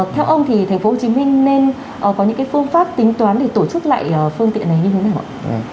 theo ông thì thành phố hồ chí minh nên có những phương pháp tính toán để tổ chức lại phương tiện này như thế nào ạ